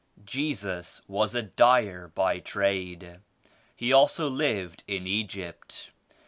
"Jesus was a dyer by trade. He also lived in Egypt.